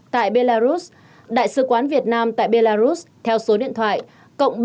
tại belarus đại sứ quán việt nam tại belarus theo số điện thoại cộng ba một trăm sáu mươi tám bảy trăm một mươi bảy chín trăm ba mươi